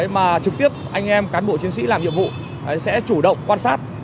mà trực tiếp anh em cán bộ chiến sĩ làm nhiệm vụ sẽ chủ động quan sát